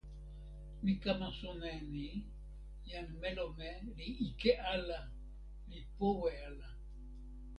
mi kama sona e ni: jan melome li ike ala, li powe ala.